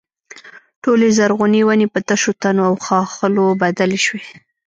ټولې زرغونې ونې په تشو تنو او ښاخلو بدلې شوې.